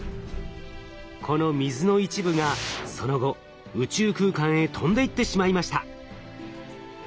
この水の一部がその後宇宙空間へ飛んでいってしまいました。